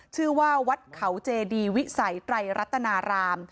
ชื่อว่าวัดเขาเจดีวิสัยไตรรัตนาราม